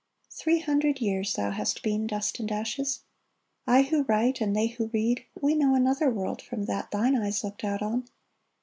Three hundred years Thou hast been dust and ashes. I who write And they who read, we know another world From that thine eyes looked out on.